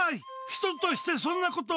人としてそんなこと。